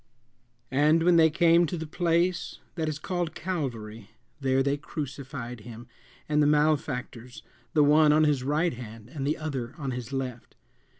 "And when they came to the place that is called Calvary, there they crucified him and the malefactors, the one on his right hand and the other on his left.